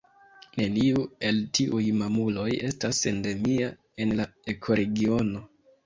Neniu el tiuj mamuloj estas endemia en la ekoregiono.